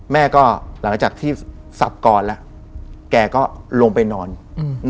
แม่ก็หลังจากที่สับก่อนแล้วแกก็ลงไปนอนอืม